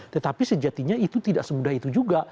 tetapi sejatinya itu tidak semudah itu juga